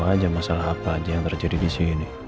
aja masalah apa aja yang terjadi disini